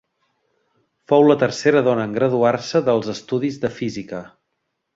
Fou la tercera dona en graduar-se dels estudis de Física.